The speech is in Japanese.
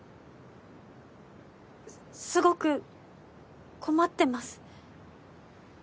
すすごく困ってます。